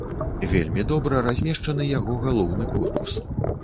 Вельмі добра размешчаны яго галоўны корпус.